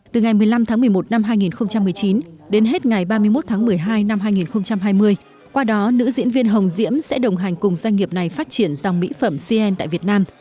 từ ngày một mươi năm tháng một mươi một năm hai nghìn một mươi chín đến hết ngày ba mươi một tháng một mươi hai năm hai nghìn hai mươi qua đó nữ diễn viên hồng diễm sẽ đồng hành cùng doanh nghiệp này phát triển dòng mỹ phẩm cn tại việt nam